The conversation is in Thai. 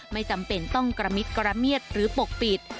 ไม่จำเป็นต้องกระมิดกระเมียดหรือปกปิด